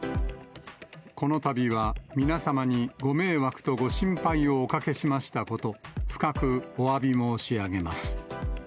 このたびは、皆様にご迷惑とご心配をおかけしましたこと、深くおわび申し上げます。